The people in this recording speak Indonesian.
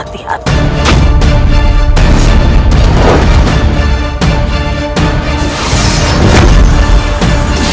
aku akan menemukanmu